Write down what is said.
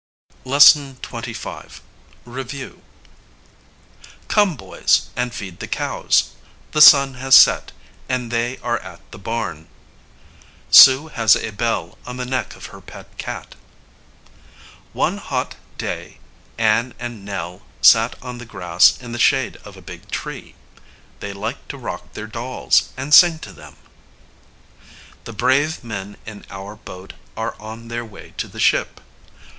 LESSON XXV. REVIEW. Come, boys, and feed the cows. The sun has set, and they are at the barn. Sue has a bell on the neck of her pet cat. One hot day Ann and Nell sat on the grass in the shade of a big tree. They like to rock their dolls, and sing to them. The brave men in our boat are on their way to the ship.